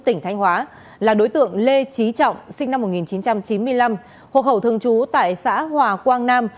tỉnh thanh hóa là đối tượng lê trí trọng sinh năm một nghìn chín trăm chín mươi năm hộ khẩu thường trú tại xã hòa quang nam